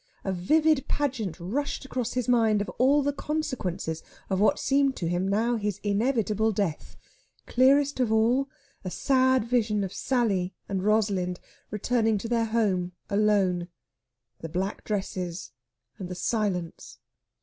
A vivid pageant rushed across his mind of all the consequences of what seemed to him now his inevitable death, clearest of all a sad vision of Sally and Rosalind returning to their home alone the black dresses and the silence.